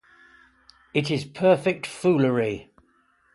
It is perfect foolery.